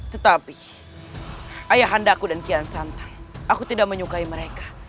tetapi ayah handa aku dan kian santang aku tidak menyukai mereka